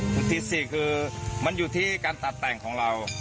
จุดที่๔คือมันอยู่ที่การตัดแต่งของเรา